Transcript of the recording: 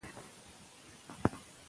ایا د میرویس نیکه وصیت به عملي شي؟